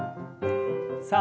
さあ